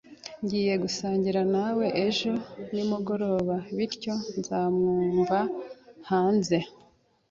Ngiye gusangira nawe ejo nimugoroba, bityo nzamwumva hanze.